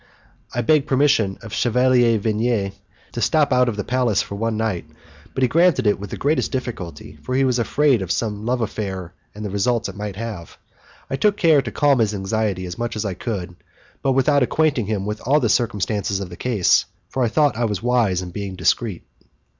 I begged permission of Chevalier Venier to stop out of the palace for one night, but he granted it with the greatest difficulty, because he was afraid of some love affair and of the results it might have. I took care to calm his anxiety as much as I could, but without acquainting him with all the circumstances of the case, for I thought I was wise in being discreet.